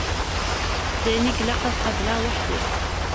D ayen i ilaq ad qableɣ weḥd-i.